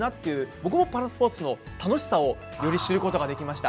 僕もパラスポーツをより知ることができました。